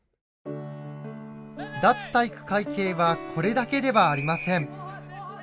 脱体育会系はこれだけではありません。